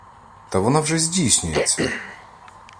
Та вона вже здійснюється!